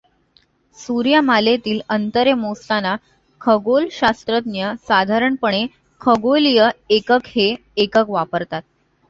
सूर्यमालेतील अंतरे मोजताना खगोलशास्त्रज्ञ साधारणपणे खगोलीय एकक हे एकक वापरतात.